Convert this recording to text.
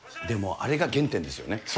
もう、あれが原点ですよね。